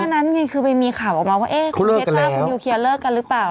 ก่อนอาจนั้นคือไปมีข่าวออกมาว่าเขาเลิกค่ะโอเคเฟดจ้าคุณนิ้วเคียลเลิกกันรึเปล่า